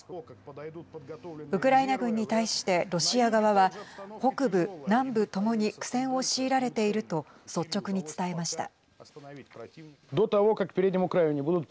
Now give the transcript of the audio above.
ウクライナ軍に対してロシア側は北部、南部ともに苦戦を強いられていると率直に伝えました。